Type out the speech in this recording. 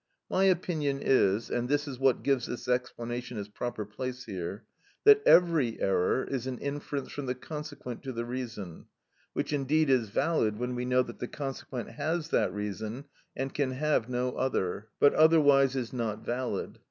My opinion is (and this is what gives this explanation its proper place here) that every error is an inference from the consequent to the reason, which indeed is valid when we know that the consequent has that reason and can have no other; but otherwise is not valid.